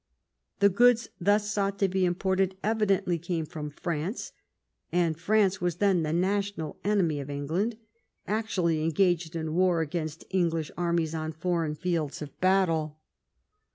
The goods thus sought to be imported evidently came from France, and France was then the national enemy of England, actually engaged in war against English armies on foreign fields of battle.